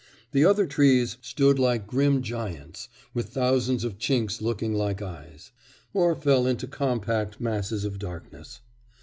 The other trees stood like grim giants, with thousands of chinks looking like eyes, or fell into compact masses of darkness.